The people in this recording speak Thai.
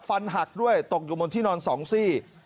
ฟันหักด้วยตกอยู่บนที่นอน๒ซี่